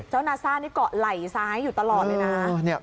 นาซ่านี่เกาะไหล่ซ้ายอยู่ตลอดเลยนะ